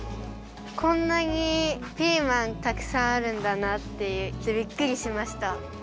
こんなにピーマンたくさんあるんだなってびっくりしました。